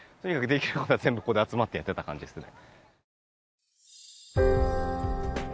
できることは全部ここで集まってやってた感じですね